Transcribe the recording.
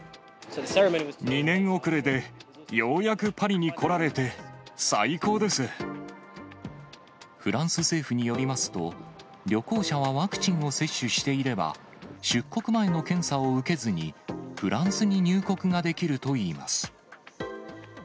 ２年遅れでようやくパリに来フランス政府によりますと、旅行者はワクチンを接種していれば、出国前の検査を受けずにフランスに入国ができるといいます。